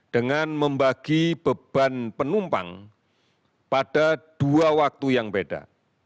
dengan membagi beban penumpang pada dua waktu yang beda